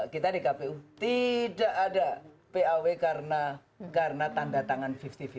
kita di kpu tidak ada paw karena tanda tangan lima puluh lima